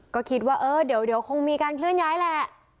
ก็คิดว่าเออเดี๋ยวคงมีการเคลื่อนย้ายแหละ